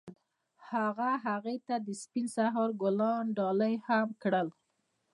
هغه هغې ته د سپین سهار ګلان ډالۍ هم کړل.